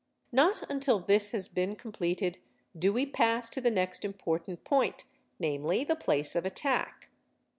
Not until this has been completed do we pass to the next important point, namely the place of attack.